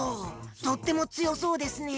とってもつよそうですね！